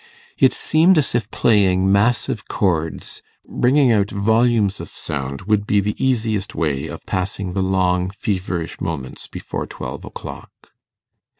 It seemed as if playing massive chords bringing out volumes of sound, would be the easiest way of passing the long feverish moments before twelve o'clock.